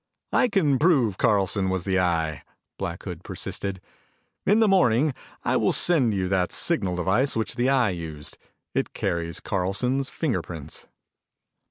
"I can prove Carlson was the Eye," Black Hood persisted. "In the morning I will send you that signal device which the Eye used. It carries Carlson's fingerprints."